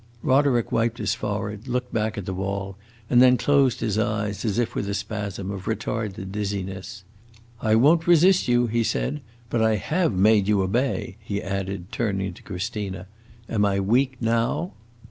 Roderick wiped his forehead, looked back at the wall, and then closed his eyes, as if with a spasm, of retarded dizziness. "I won't resist you," he said. "But I have made you obey," he added, turning to Christina. "Am I weak now?"